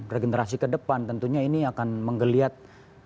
regenerasi ke depan tentunya ini akan menggeliat